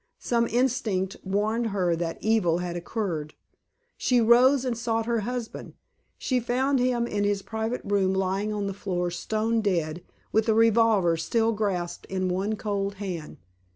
Some instinct warned her that evil had occurred. "She rose and sought her husband. She found him in his private room, lying on the floor, stone dead, with a revolver still grasped in one cold hand.